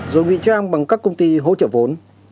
rồi bị trang bằng các công ty hỗ trợ vốn